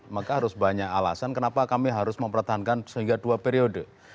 maka harus banyak alasan kenapa kami harus mempertahankan sehingga dua periode